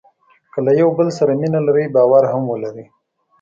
که له یو بل سره مینه لرئ باور هم ولرئ.